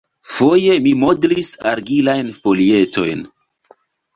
Foje mi modlis argilajn folietojn.